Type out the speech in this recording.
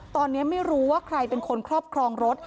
ตอนนี้ไม่รู้ว่าใครเป็นคนครอบครองรถ